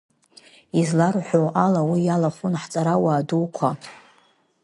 Изларҳәоз ала уи иалахәын ҳҵарауаа дуқәа…